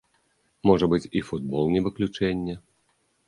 Можа быць, і футбол не выключэнне?